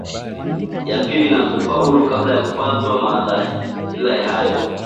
ya pili na kufaulu kabla ya kupatwa na madhila hayo